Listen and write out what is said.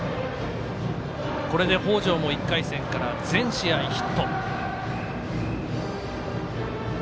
これで北條も１回戦から全試合ヒット。